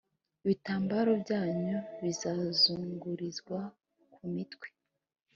Ibitambaro byanyu bizazungurizwa ku mitwe